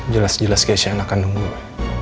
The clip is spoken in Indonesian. jelas jelas keisha anak kandung gue